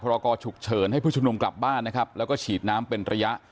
รากอฉุกเฉินให้ผู้ชุมนุมกลับบ้านนะครับแล้วก็ฉีดน้ำเป็นระยะ